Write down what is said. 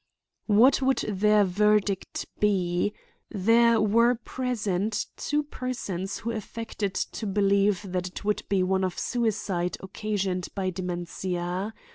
What would their verdict be? There were present two persons who affected to believe that it would be one of suicide occasioned by dementia.